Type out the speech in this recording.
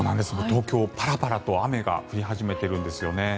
東京、パラパラと雨が降り始めているんですよね。